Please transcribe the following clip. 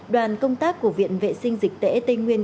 đoàn công tác của viện vệ sinh dịch tễ tây nguyên